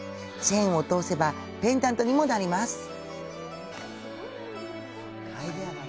チェーンを通せばペンダントにもなります。